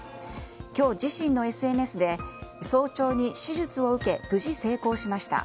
今日、自身のＳＮＳで早朝に手術を受け無事成功しました。